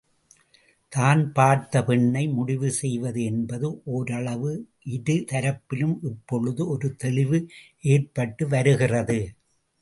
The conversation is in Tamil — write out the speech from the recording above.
தான் பார்த்துப் பெண்ணை முடிவு செய்வது என்பது ஓரளவு இரு தரப்பிலும் இப்பொழுது ஒரு தெளிவு ஏற்பட்டு வருகிறது.